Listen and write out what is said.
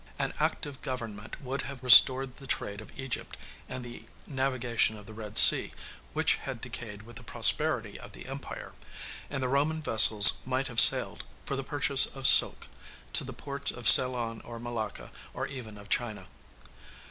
An active government would have restored the trade of Egypt and the navigation of the Red Sea, which had decayed with the prosperity of the empire; and the Roman vessels might have sailed, for the purchase of silk, to the ports of Ceylon, of Malacca, or even of China.